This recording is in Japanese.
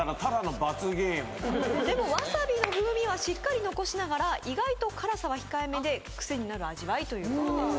でもわさびの風味はしっかり残しながら意外と辛さは控えめでクセになる味わいということです